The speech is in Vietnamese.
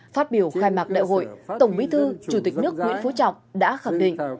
phát biểu khai mạc đại hội tổng bí thư chủ tịch nước nguyễn phú trọng đã khẳng định